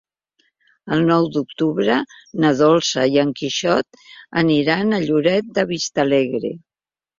El nou d'octubre na Dolça i en Quixot aniran a Lloret de Vistalegre.